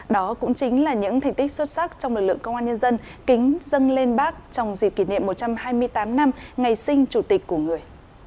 đó cũng chính là những thành tích xuất sắc trong lực lượng công an nhân dân kính dâng lên bác trong dịp kỷ niệm một trăm hai mươi tám năm ngày sinh chủ tịch của người